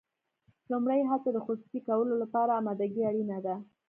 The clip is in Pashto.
لومړی هلته د خصوصي کولو لپاره امادګي اړینه ده.